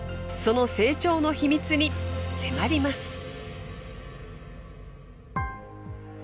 その成長の秘密に迫ります！